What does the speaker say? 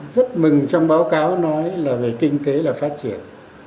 rất mừng trong báo cáo nói là về kinh tế là phát triển